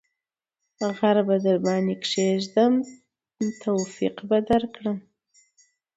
ـ غر به درباندې کېږم توافق به درکړم.